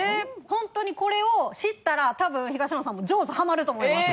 ホントにこれを知ったら多分東野さんもジョーズハマると思います。